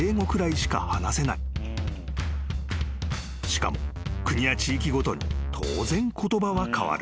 ［しかも国や地域ごとに当然言葉は変わる］